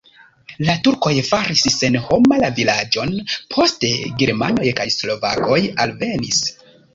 La turkoj faris senhoma la vilaĝon, poste germanoj kaj slovakoj alvenis.